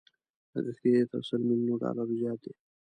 لګښت يې تر سل ميليونو ډالرو زيات دی.